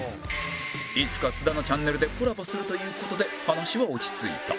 いつか津田のチャンネルでコラボするという事で話は落ち着いた